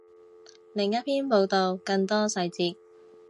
另一篇报道，更多细节